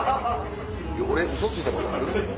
俺ウソついたことある？